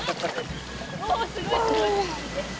すごい、すごい。